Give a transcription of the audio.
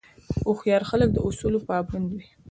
هوښیار خلک د اصولو پابند وي.